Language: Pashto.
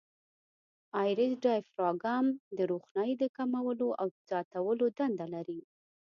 آیرس ډایفراګم د روښنایي د کمولو او زیاتولو دنده لري.